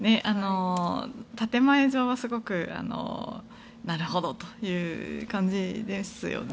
建前上はすごくなるほどという感じですよね。